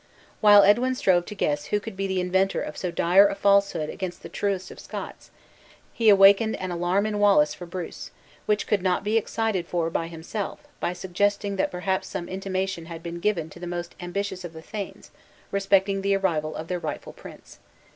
While Edwin strove to guess who could be the inventor of so dire a falsehood against the truest of Scots, he awakened an alarm in Wallace for Bruce, which could not be excited for himself, by suggesting that perhaps some intimation had been given to the most ambitious of the thanes, respecting the arrival of their rightful prince.